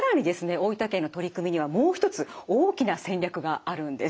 大分県の取り組みにはもう一つ大きな戦略があるんです。